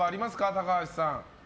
高橋さん。